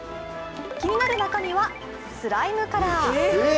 気になる中身はスライムカラー。